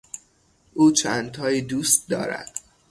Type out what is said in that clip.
او چندتایی دوست دارد.